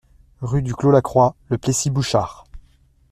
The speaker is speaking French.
Rue du Clos Lacroix, Le Plessis-Bouchard